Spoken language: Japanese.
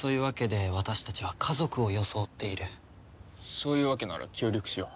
そういうわけなら協力しよう。